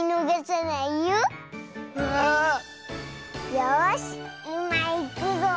よしいまいくぞ。